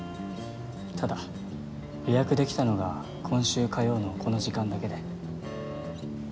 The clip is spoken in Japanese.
ただ予約できたのが今週火曜のこの時間だけで。